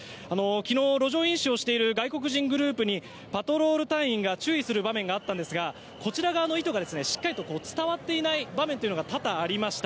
昨日、路上飲酒をしている外国人グループにパトロール隊員が注意する場面があったんですがこちら側の意図がしっかりと伝わっていない場面というのが多々ありました。